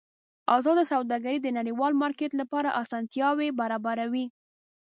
ازاده سوداګري د نړیوال مارکېټ لپاره اسانتیا برابروي.